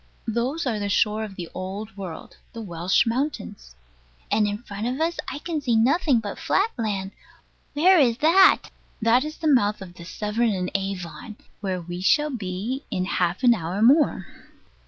Those are the shore of the Old World the Welsh mountains. And in front of us I can see nothing but flat land. Where is that? That is the mouth of the Severn and Avon; where we shall be in half an hour more.